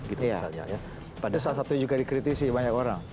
itu salah satu yang dikritisi banyak orang